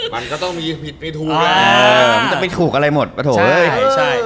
มันก็มีผิดมีถูกเลยนะมันจะผิดถูกอะไรหมดกระโโถ้เว้ย